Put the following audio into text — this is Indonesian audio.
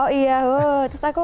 oh iya terus aku